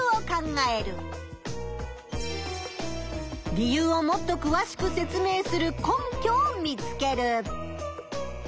理由をもっとくわしく説明する根拠を見つける。